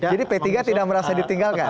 jadi p tiga tidak merasa ditinggalkan